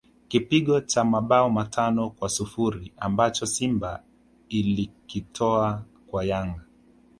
Kipigo cha mabao matano kwa sifuri ambacho Simba ilikitoa kwa Yanga